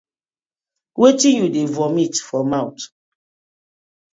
Wetin yu dey vomit for mouth.